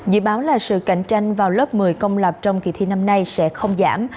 dự báo là sự cạnh tranh vào lớp một mươi công lập trong kỳ thi năm nay sẽ không giảm